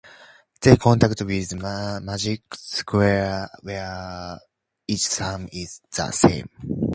They contrast with magic squares where each sum is the same.